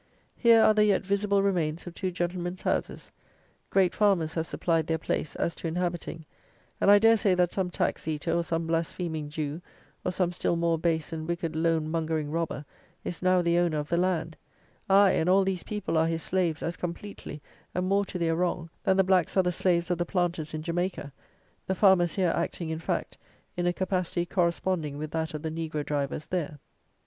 Here are the yet visible remains of two gentlemen's houses. Great farmers have supplied their place, as to inhabiting; and, I dare say, that some tax eater, or some blaspheming Jew, or some still more base and wicked loan mongering robber is now the owner of the land; aye, and all these people are his slaves as completely, and more to their wrong, than the blacks are the slaves of the planters in Jamaica, the farmers here, acting, in fact, in a capacity corresponding with that of the negro drivers there.